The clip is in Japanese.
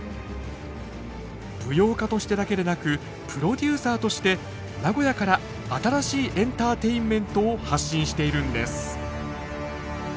舞踊家としてだけでなくプロデューサーとして名古屋から新しいエンターテインメントを発信しているんです。